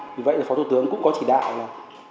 vì vậy thì phó thủ tướng cũng có chỉ đạo là